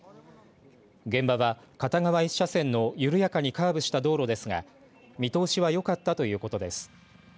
現場は片側一車線の緩やかにカーブした道路ですが見通しはよかったということです。